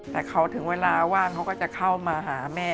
แต่เขาถึงเวลาว่างเขาก็จะเข้ามาหาแม่